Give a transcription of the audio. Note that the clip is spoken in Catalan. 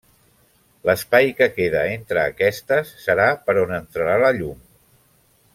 L'espai que queda entre aquestes serà per on entrarà la llum.